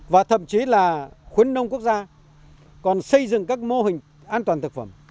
và thậm chí là khuyến nông quốc gia còn xây dựng các mô hình an toàn thực phẩm